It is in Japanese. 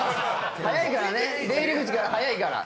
早いからね出入り口から早いから。